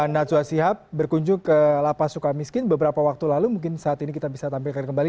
natwa sihab berkunjung ke lapas suka miskin beberapa waktu lalu mungkin saat ini kita bisa tampilkan kembali